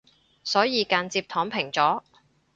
所以間接躺平咗